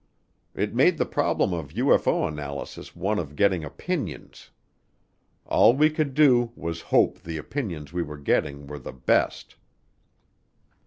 It made the problem of UFO analysis one of getting opinions. All we could do was hope the opinions we were getting were the best.